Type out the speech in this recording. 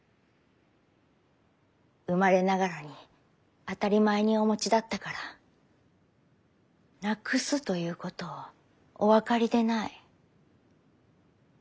生まれながらに当たり前にお持ちだったから「なくす」ということをお分かりでない。